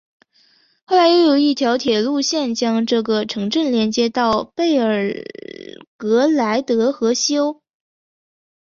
后来又有一条铁路线将这个城镇连接到贝尔格莱德和西欧。